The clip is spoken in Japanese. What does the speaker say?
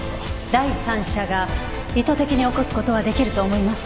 第三者が意図的に起こす事はできると思いますか？